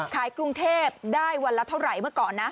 กรุงเทพได้วันละเท่าไหร่เมื่อก่อนนะ